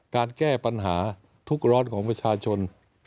การแก้ปัญหาทุกร้อนของประชาชน